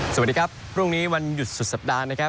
สวัสดีครับพรุ่งนี้วันหยุดสุดสัปดาห์นะครับ